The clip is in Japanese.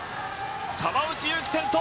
川内優輝、先頭。